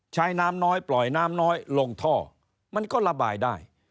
ใช้น้ำน้อยปล่อยน้ำน้อยลงท่อมันก็ระบายได้